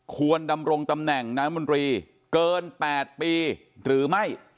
ควรดำรงตำแหน่งน้ำมนตรีเกิน๘ปีหรือไม่